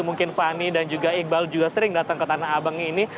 mungkin fani dan juga iqbal juga sering datang ke tanah abang ini